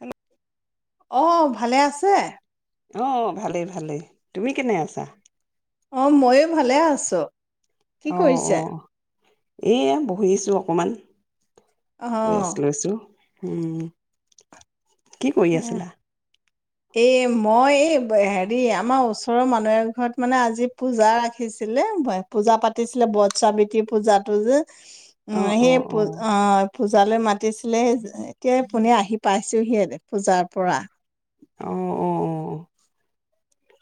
Hello অ ভালে আছে অ ভালেই ভালেই, তুমি কেনে আছা অ ময়ো ভালে আছো। কি অঁ' কৰিছে অ এয়া বহিছো অকণমান অ ৰেছ লৈছো উম কি কৰি আছিলা এ মই এই হেৰি আমাৰ ওচৰৰ মানুহ এঘৰত মানে আজি পূজা ৰাখিছিলে পূজা পাতিছিলে বট চ্ৰাৱিত্ৰী পূজাতটো যে উম অ', সেই অ', পু অ', অঁ পূজালৈ মাতিছিলে এতিয়া পোনে আহি পাইছোহিহে পূজাৰ পৰা অঁ অঁ অঁ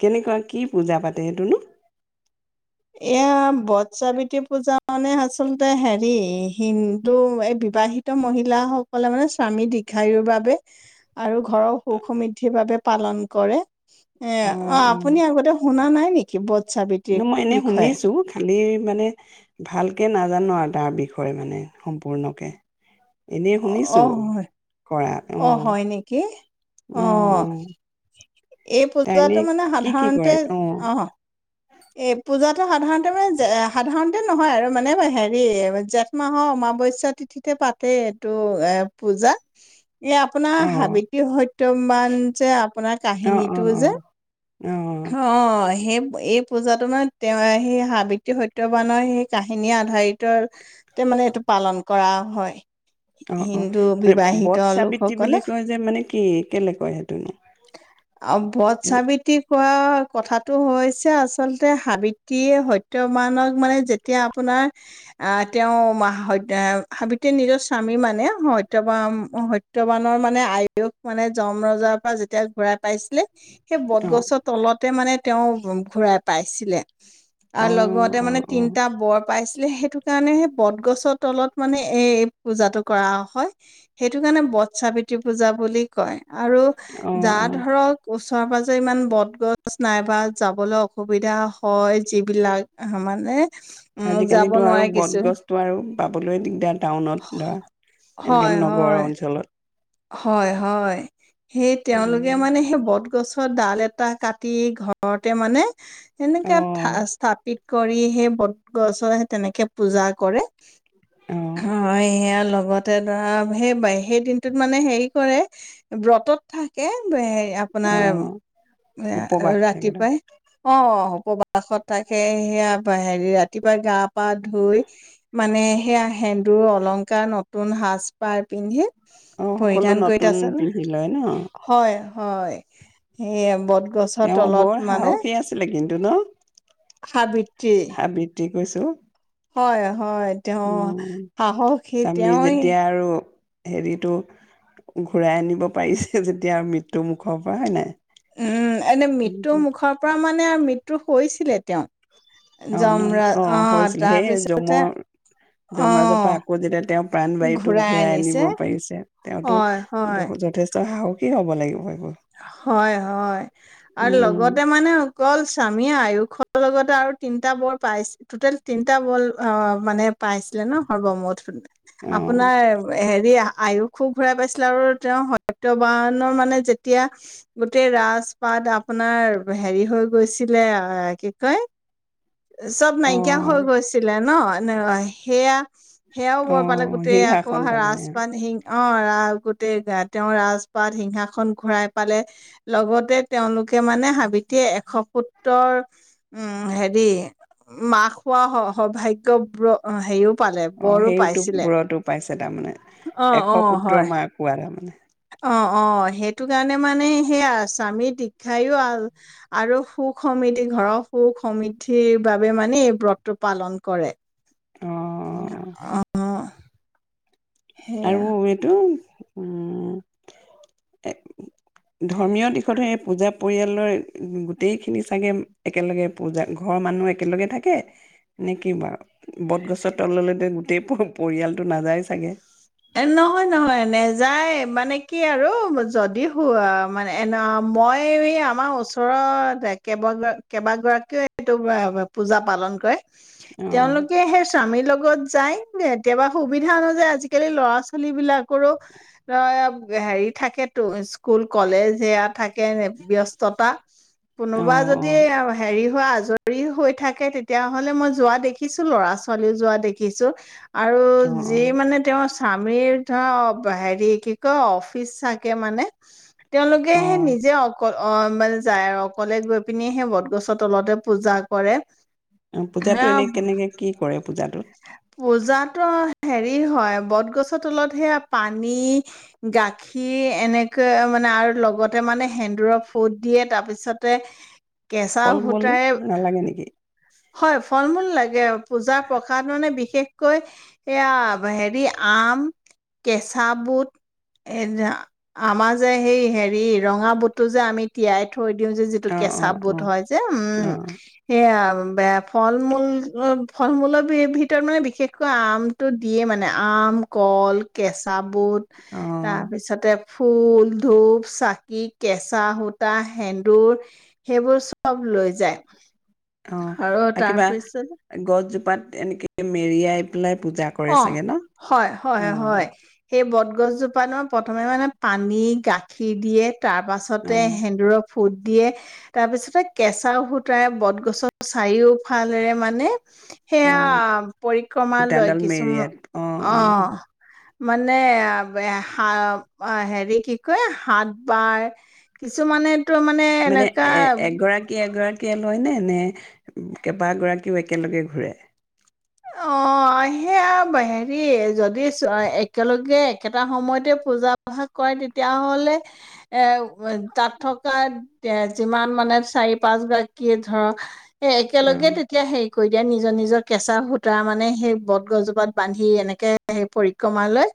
কেনেকুৱা কি পূজা পাতে সেইটোনো এয়া বটস্ৰাৱিত্ৰী পূজা মানে আচলতে হেৰি হিন্দু এই বিবাহিত মহিলাসকলে মানে স্বামী দীৰ্ঘায়ুৰ বাবে আৰু ঘৰৰ সুখ সমৃদ্ধিৰ বাবে পালন কৰে। এয়া অ', আপুনি অ'। আগতে শুনা নাই নেকি স্ৰাৱিত্ৰী শুনিছো খা খালি মানে ভালকে নাজানো আৰু তাৰ বিষয়ে মানে সম্পূৰ্ণকে এনেই শুনিছো অ হয় কৰাত অ হয় নেকি অঁ অ'। [inaudible] এই তাই এনে পূজাটো মানে কি কি কৰে? সাধাৰণতে অ এ পূজাতটো সাধাৰণতে মানে সাধাৰণতে নহয় আৰু মানে হেৰি জেঠ মাহৰ অমাৱস্যা তিথিতে পাতে এইটো এ পূজা এই আপোনাৰ অ', সাৱিত্ৰী সত্য সত্যবান যে আপোনাৰ অ', কাহিনীটো অ', অ', যে অ'। অ' সেই এই পূজাটো মানে তেওঁ সেই সাবিত্ৰী সত্যবানৰ সেই কাহিনীয়ে আধাৰিত আৰু মানে এইটো পালন কৰা হয়। অ অ হিন্দু এ বিবাহিত বট স্ৰাৱিত্ৰী লোকসকলে বুলি কয় যে মানে কি কেলেকয় সেইটোনো অ বধ সেতো সাৱিত্ৰী কোৱা কথাটো হৈছে আচলতে সাৱিত্ৰীয়ে সত্যবানক মানে যেতিয়া আপোনাৰ আহ তেওঁ সাৱিত্ৰীয়ে নিজৰ স্বামী মানে সত্যবান সত্যবানৰ মানে আয়ুস মানে যম ৰজাৰ পৰা যেতিয়া ঘূৰাই পাইছিলে। সেই বটগছ মুৰতে মানে তেওঁ ঘূৰাই পাইছিলে অ অ আৰু লগতে অ মানে তিনটা বৰ পাইছিলে সেইটো কাৰণে বটগছৰ তলত মানে এই পূজাটো কৰা হয় সেইটো কাৰণে বট চাৱিত্ৰী পূজা বুলি কয় আৰু অ অ যা অ ধৰক ওচৰ পাজৰে ইমান বট গছ নাইবা যাবলৈ অসুবিধা হয় যিবিলাক মানে উম আজিকালি যাব আৰু নোৱাৰে কিছু বটগছতটো আৰু পাবলৈ দিগদাৰ টাউনত ধৰা এনেকে হয় নগৰ হয় অঞ্চলত হয় হয় সেই তেওঁলোকে উম, মানে সেই বত গছৰ ডাল এটা কাটি ঘৰতে মানে অ এনেকে স্থাপিত কৰি সেই বট গছৰ তেনেকে পূজা কৰে অ হয় সেয়া লগত তা সেই বাই সেইদিন মানে হে কৰে বতত থাকে সেই অ আপোনাৰ উপবাস থাকে ন ৰাতিপুৱাই অ অ প্ৰবাসত থাকে সেয়া হেৰি ৰাতিপুৱা গা পা ধুই মানে সেয়া সেন্দুৰ অলংকাৰ নতুন সাজ পাৰ পিন্ধি অ সকলো পৰিধান কৰিত নতুন আছে ন পিন্ধি লয় ন হয় হয় সেই বদ তেওঁ বৰ সাহসী আছিলে কিন্তু তোলক সাবিত হাবি জিক গৈছো হয় হয় তেওঁ সাহসী তেওঁই হেৰিতটো ঘূৰাই আনিব পাৰিছে যেতিয়া মৃত্যু মুখৰ পৰা হয় নাই উম এনে মৃত্যুৰ মুখৰ পৰা মানে মানে মৃত্যু হৈছিলে তেওঁ অ নহ যমৰাজ অ হৈছিলে সেইয় যম তাৰপিছতে অ যমৰাজৰ পৰা আকৌ যেতিয়া তেওঁ প্ৰাণবায়ুতটো ঘূৰাই আনিব পাৰিছে তেওঁতো হয় হয় বহুত যথেষ্ট সাহসী কি হ'ব লাগিব এইবোৰ হয় হয় আৰু উম লগতে মানে অকল স্বামীয়ে আয়ুস খ লগতে আৰু তিনটা বল পাই টুটেল তিনটা বল অ মানে পাইছিলে ন সৰ্বমুঠ অ আপোনাৰ হেৰি আয়ু খুব ঘূৰাই পাইছিলে আৰু তেওঁ সত্য বানৰ মানে যে এতিয়া গোটেই ৰাজ পাত আপোনাৰ হেৰি হৈ গৈছিলে কি কয় চব অ নাইকিয়া হৈ গৈছিলে ন? ন সেয়া সেয়াও অ বৰ পালে গোটেই, আকৌ সিংহাসন ৰাজ তাৰমানে [unintelligible] অ ৰাস গোটেই গা তেওঁৰ ৰাজপাত সিংহাসন ঘূৰাই পালে লগতে তেওঁলোকে মানে হাবিতে এশ সত্তৰ উম হেৰি মাক হোৱা সৌভাগ্যব্ৰ হেৰিও পালে অ বৰো সেইটো পাইছিলে বোৰতো পাইছে তাৰমানে অ এশ অ হয় পুত্ৰৰ মাৰ কোৱা তাৰমানে অ অ সেইটো কাৰণে মানে সেইয়া স্বামীৰ দীক্ষায়ো আৰু সুখ সমৃদ্ধি ঘৰৰ সুখ সমিদ্ধিৰ বাবে মানে এই ব্ৰতটো পালন কৰে অ অ। সেয়া আৰু এইটো উম এ ধৰ্মীয় দিশতহে পূজা পৰিয়ালৰ গোটেইখিনি চাগে একেলগে পূজা ঘৰৰ মানুহ একেলগে থাকে নেকি বাৰু বটগছৰ তললৈ গোটেই পৰিয়ালটো নাযায় চাগে এ নহয় নহয়, নেযায় এই, মানে কি আৰু যদি মানে এ মই আমাৰ ওচৰৰে কেইবাগৰাকীও এইটো পূজা পালন কৰে অ তেওঁলোকে সেই স্বামীৰ লগত যায়, কেতিয়াবা সুবিধা অনুযায় আজ আজিকালি ল'ৰা ছোৱালী বিলাকৰো অ হেৰি থাকেতো, স্কুল কলেজ সেয়া থাকে, ব্যস্ততা, অ কোনোবা যদি হেৰি হোৱা, আজ জৰি হৈ থাকে, তেতিয়াাহলে মই যোৱা দেখিছোঁ, ল'ৰা ছোৱালীও যোৱা দেখিছোঁ আৰু অ অ যি অ মানে তেওঁ স্বামীৰ ধৰা হেৰি কি কয় অফিচ চাগে মানে তেওঁলোকে অ সে নিজে অকল অ' মানে যায় আৰু অকলে গৈ পিনি সেই বটগছৰ তলতে পূজা কৰে। অ সেয়া পূজাতটো এনে কেনেকে কি কৰে পূজাতোত পূজাতো হেৰি হয় বট গছৰ তলত সেয়া পানী, গাখীৰ এনেকে মানে আৰু লগতে মানে সেন্দুৰৰ ফুট দিয়ে তাৰ পিছতে কেঁচা ফল মূল সূতাৰে নালাগে নেকি হয় ফল মূল লাগে। পূজা প ত মানে বিশেষকৈ এয়া হেৰি আম, কেঁচা বুট আমাৰ যে সেই হেৰি ৰঙা বুটটো যে আমি তিয়াই থ থৈ দিওঁ যে যিটো অ অ কেঁচা অ বুট হয় যে উম অ সেয়া বেয়া ফল মূল ফল মূলৰ ভিতৰত মানে বিশেষকৈ আমটো দিয়ে মানে আম, কল, কেঁচা বহুত অ তাৰপিছতে ফুল, ধূপ, চাকি, কেঁচা সূতা, সেন্দুৰ সেইবোৰ চব লৈ যায় অ', আৰু কিবা গছ পাত এনেকে মেৰিয়াই পেলাই পূজা কৰে অ', চাগে ন অ হয়-হয়-হয়, সেই ব গছজোপা ন প্ৰথমে মানে পানী, গাখীৰ দিয়ে। তাৰ অ পাছতে সেন্দুৰক ফুট দিয়ে, তাৰপিছতে কেঁচাও সূতাৰে বটগছৰ চাৰিওফালেৰে মানে অ সেয়া, পৰিক্ৰমা লৈ সূতাডাল মেৰিয়াত, অ', অ। মানো খাব, অ', হেৰি কি কয় সাঁত বাৰ কিছুমানে মানে, এ-এগৰাকী, এগৰাকী। লয় নে, নে কেইবা গৰাকীও একেলগে ঘূৰে? অ', সেয়া হেৰি যদি একেলগে একেটা সময়তে পূজা ভাগ কৰে তেতিয়াহলে, এ', তাত থকা এ', যিমান মানে চাৰি পাঁচ গৰাকী ধৰক এ-একেলগে অ', তেতিয়া হে কৰি দিয়া নিজৰ-নিজৰ কেঁচাহুত তাৰ মানে সেই বটগছজোপাত বান্ধি এনেকে সেই পৰিক্ৰমা লৈ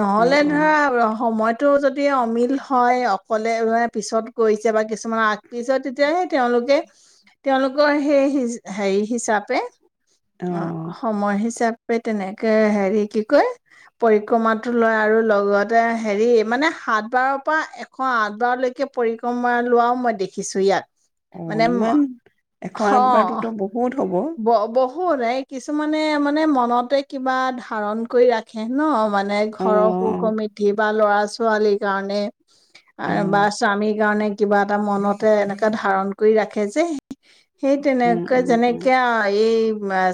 নহ'লে অ', অ', ধৰা সময়টো যদি অমিল হয় অ কলে মানে পিছত কৰিছে বা কিছুমানে আগ, পিছ তেতিয়াহে তেওঁলোকে-তেওঁলোকৰ সেই হেৰি হিচাপে অ। সময় হিচাপে তেনেকে হেৰি কি কয় পৰিক্ৰমাটো লয় আৰু লগতে হেৰি মানে সাতবাৰৰ পৰা, এশ আঠ বাৰলৈকে পৰিক্ৰমা লোৱাও মই দেখিছো ইয়াত। অ', মানে ম ইমান! এশ আঠ বাৰোতো বহুত হ ব-বহ বহুত, এ কিছুমানে মানে মনতে কিবা ধাৰণ কৰি ৰাখে ন মানে মানে ঘৰৰ অ', সু-সমৃদ্ধি বা ল'ৰা ছোৱালি কাৰণে আৰু, বা উম, স্বামীৰ কাৰণে কিবা এটা মনতে এনেককা ধাৰণ কৰি ৰাখে যে। উম, উম, সেইটনেকে-জনেক আ, এই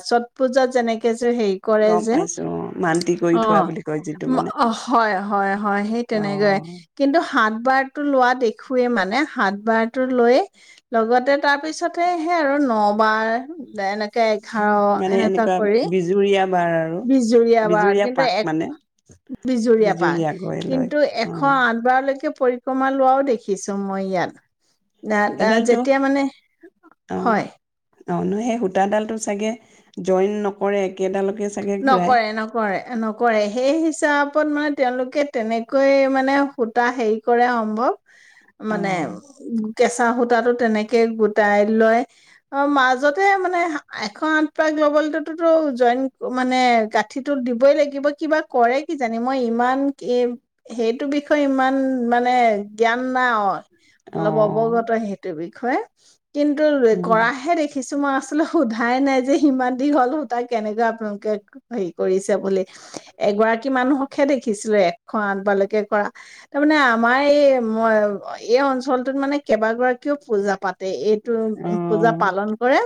চট পূজাত যেনেকে যে হেৰি কৰে গম যে, পাইছো অ', মান্তি কৰি থোৱা অ', বুলি কয় যিটো ম, মানে হয়-হয়-হয় সেইতেনেকৈ। অ', কিন্তো হা বাৰ টো লোৱা দেখোৱেই মানে সাঁত বাৰ টো লৈ লগতে তাৰপিছত তে হে আৰু নবাৰ এনেকে, এঘাৰ, মানে এনেকুৱা কৰি বিজুৰীয়া বাৰ আৰু বিজুৰীয়া বাৰত কিন্তু পাক মানে এক বিজুৰীয়া পাৰ গৈ লয় কিন্তু এশ অ', আঠ বাৰলৈকে পৰিক্ৰমা লোৱাও দেখিছোঁ মই ইয়াত দা দা সেইডালটো যেতিয়া মানে অ', হয়। অ' সেই সূতাডালটো চাগে জইন নকৰে। কেইডালকে চাগে ঘূৰাই। নকৰে, নকৰে, নকৰে সেই হিচাপত মানে তেওঁলোকে তেনেকৈ মানে সূতা হেৰি কৰে সম্ভৱ। মানে অ'। ইনকেচ চাহ সূতাটো তেনেকে গোটাই লয় অ মাজতে মানে এশ আঠ প গ [unintelligible] 'লবৈল জইন মানে গাঁঠিটো দিবই লাগিব কিবা কৰে কি জানি মই ইমান সেইটো বিষয়ে ইমান মানে জ্ঞান নাই অ' অলপ অৱগত অ', সেইটো বিষ হয়। কিন্তু উম, কৰাহে দেখিছো। কি মই আচলতে সোধাই নাই যে সিমান দীঘল সূতা কেনেকুৱা আপোনলোকে হেৰি কৰিছে বুলি এগৰাকী মানুহকহে দেখিছিলো এশ আঠবালৈকে কৰা তাৰমানানে আমাৰ এই এই অঞ্চলটোত মানে কেইবাগৰাকীও পূজা পাতে এই পূজা অ', পালন কৰে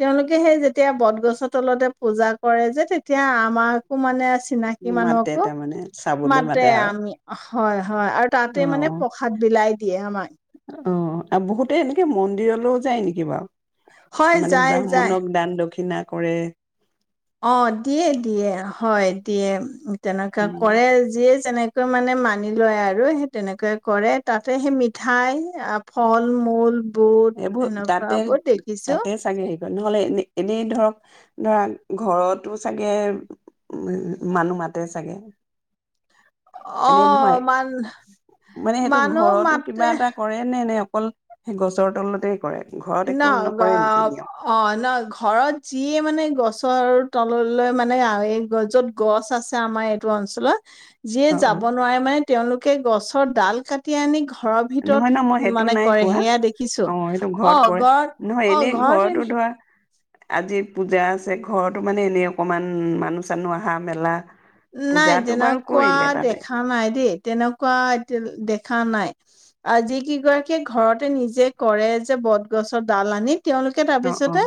তেওঁলোকে সেই যেতিয়া বটগছৰ তলতে পূজা কৰে যে তেতিয়া আমাকো চিনাকি মাতে মানুহকো তাৰমানে চাবলৈ মাতে আৰু। আমি হয়। হয় আৰু তাতে মানে অ', প্ৰসাদ বিলাই দিয়ে আমাক অ আৰু বহুতে এনেকে মন্দিৰলৈও যায় নেকি বাৰু? হয় মানে যায় যায় ব্ৰাহ্মণক দান- দক্ষিণা কৰে অ দিয়ে দিয়ে হয় দিয়ে তেনেকুৱা উম, কৰে যিয়ে যেনে মানে মানি লয় আৰু সেই তেনেকৈ কৰে তাতে সেই মিঠাই আ ফল-মূল বহুত এইবোৰ এনেকুৱা তাতে বহুত দেখিছো তাতে চাগে হেৰি নহলে এনে এনেই ধৰক ধৰা ঘৰতো চাগে উ মানুহ মাতে চাগে। এনে নহয় অ', মান মানে সেইটো মানুহ ঘৰতো কিবা মাতে এটা কৰে নে নে অকল সেই গছ ওচৰ তলতেই কৰে। ঘৰত ন একো অ নকৰে নেকি নিয়ম? অ না ঘৰত যিয়ে মানে গছ গছৰৰ তললৈ মানে এই যত গছ আছে আমাৰ এইটো অঞ্চলত যিয়ে অ', যাব অ', নোৱাৰে মানে তেওঁলোকে গছৰ ডাল কাটি আনি ঘৰৰ ভিতৰত নহয় ন মই সেইটো মানে নাই কৰে, কোৱা। সেয়া দেখিছোঁ। অ সেইটো ঘৰত কৰে, নহয় এনেই ঘৰতো ধৰা আজি পূজা আছে, ঘৰতো মানে এনেই অকমান মানুহ - চানুহ অহা মেলা নাই পূজাতো বাৰু তেনেকুৱা কৰিলে তাতে দেখা নাই দেই, তেনেকুৱা এতিয়া দে খাম নাই, আজিকিগৰাকীয়ে ঘৰতে নিজে কৰে যে বটগছৰ ডাল আনি তেওঁলোকে অ অ তাৰপিছতে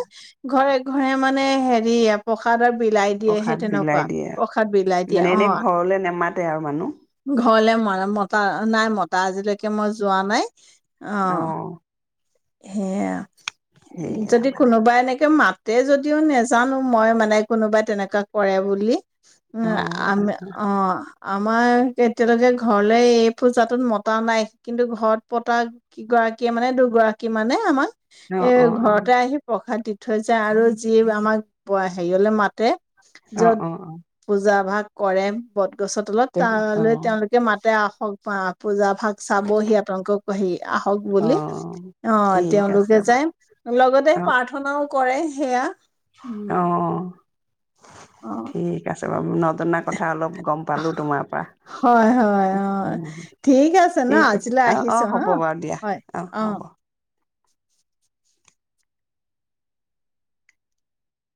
ঘৰ এৰি ঘৰে মানে হেৰি এয়া প্ৰসাদ আৰু বিলাই দিয়ে হে প্ৰসাদ বিলাই তেনেকুৱা দিয়ে প্ৰসা মানে এনেই ঘৰলে নেমাতে আৰু মানুহ? ঘৰলে মই মতা নাই মতা, আজিলৈকে মই যোৱা নাই। অ'। হেয়া। সেইয়া যদি মানে কোনোবাই এনেকে মাত তে যদিও নেজানো, মই মানে কোনোবাই তেনেকা কৰে বুলি। অ উয়ে আমি অ'। আমাৰ তেতিয়ালৈকে ঘৰলে এই পূজাটোত মতা নাই, কিন্তু ঘৰত পতা কিগৰাকীয়ে মানে দুগৰা কিমানে আমান অ অ এ অ ঘৰতে আহি প্ৰসাদ দি থৈ যায় আৰু যি আমাক [unintelligible] হেৰিয়লে মাতে অ য'ত অ অ পূজা ভাগ কৰেম বদ গছৰ তলত, তে অ তালৈ তেওঁলোকে মাতে আহক পা পূজাপ ভাগ চাবহি, আপোনালোকক হেই আহক অ বুলি। অ' ঠিক আছে তেওঁলোকে যায়, বাৰু লগতে প্ৰাৰ্থনাও কৰে সেয়া অ' উম অ'। অ ঠিক আছে বাৰু নজনা কথা অলপ গম পালোঁ তোমাৰ পৰা, হয় হয় অ উম হু ঠিক আছে ন ঠিক আছে আজিলৈ অ' অ' আহিছো হা হ'ব বাৰু দিয়া অ' হ'ব।